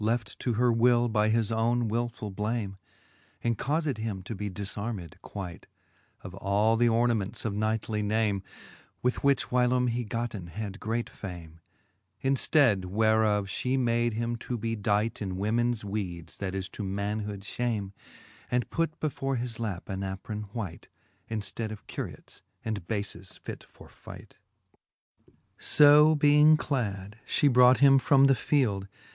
Left to her will by his owne wilfull blame, And caufed him to be difarmed quight. Of all the ornaments of knightly name, With which whylome he gotten had great fame : In ftead whereof fhe made him to be dight In womans weedes, that is to manhood fhame, And put before his lap an apron white, Inftead of curiets and bales fit for fight. Vol. III. L XXI. So 74 ^^ fifi^ Booke of Canto V, XXI. So being clad, fhe brought him from the field.